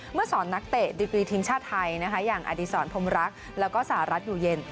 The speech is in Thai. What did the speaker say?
เมื่อสอนนักเตะดิกรีทีมชาติไทยอย่างอดีศรพรรคและสหรัฐอยู่เย็น